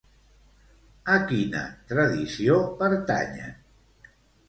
A quina tradició pertanyen?